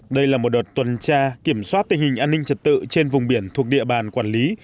đây là một đợt tuần tra kiểm soát tình hình an ninh trật tự trên vùng biển thuộc địa bàn quản lý